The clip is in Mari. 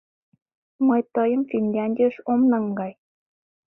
Мый тыйым Финляндийыш ом наҥгай!